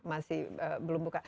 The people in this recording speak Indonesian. masih belum buka